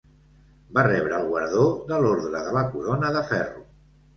Va rebre el guardó de l'Ordre de la Corona de Ferro.